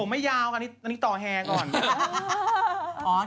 ไม่ยาวค่ะอันนี้ต่อแห่ก่อน